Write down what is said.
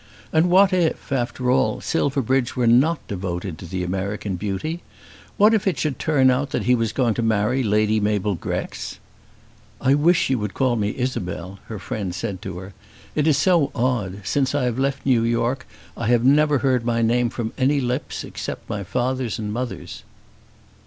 And what if, after all, Silverbridge were not devoted to the American beauty! What if it should turn out that he was going to marry Lady Mabel Grex! "I wish you would call me Isabel," her friend said to her. "It is so odd, since I have left New York I have never heard my name from any lips except father's and mother's."